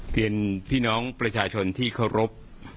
เรียนพี่น้องประชาชนที่เคารพ